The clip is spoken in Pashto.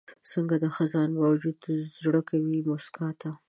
څنګه د خزان باوجود زړه کوي موسکا ته؟